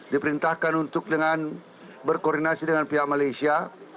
diperintahkan untuk dengan berkoordinasi dengan pihak malaysia